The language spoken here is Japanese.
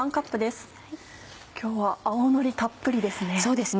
今日は青のりたっぷりですね。